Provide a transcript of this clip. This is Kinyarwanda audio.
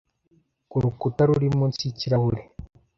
ku rukuta ruri munsi yikirahure